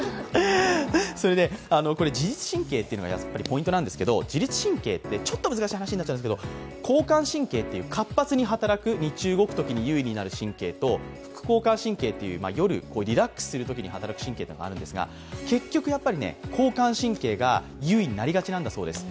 自律神経というのがポイントなんですけど、自律神経って、交感神経という活発に働く日中優位に働く神経と副交感神経という夜リラックスするときに働く神経とあるんですが、結局、交感神経が優位になりがちなんだそうです。